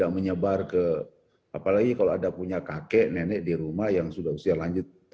menyebar ke apalagi kalau ada punya kakek nenek di rumah yang sudah usia lanjut